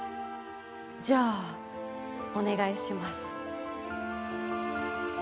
じゃあお願いします。